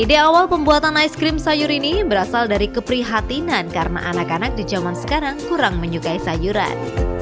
ide awal pembuatan ice cream sayur ini berasal dari keprihatinan karena anak anak di zaman sekarang kurang menyukai sayuran